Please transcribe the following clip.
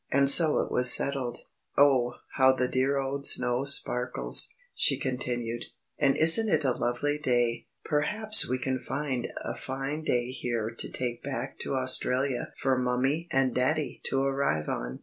And so it was settled. "Oh, how the dear old snow sparkles," she continued, "and isn't it a lovely day. Perhaps we can find a fine day here to take back to Australia for Mummie and Daddy to arrive on.